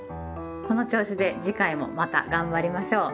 この調子で次回もまた頑張りましょう！